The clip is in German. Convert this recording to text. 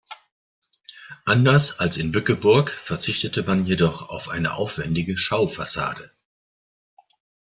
Anders als in Bückeburg verzichtete man jedoch auf eine aufwändige Schaufassade.